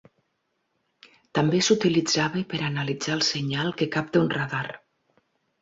També s'utilitzava per analitzar el senyal que capta un radar.